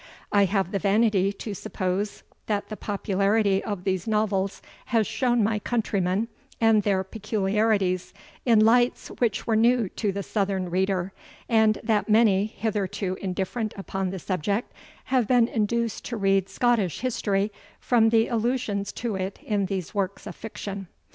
I have the vanity to suppose, that the popularity of these Novels has shown my countrymen, and their peculiarities, in lights which were new to the Southern reader; and that many, hitherto indifferent upon the subject, have been induced to read Scottish history, from the allusions to it in these works of fiction.